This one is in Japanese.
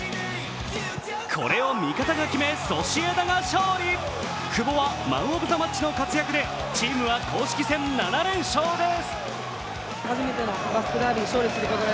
これを味方が決め、ソシエダが勝利久保はマン・オブ・ザ・マッチの活躍でチームは公式戦７連勝です。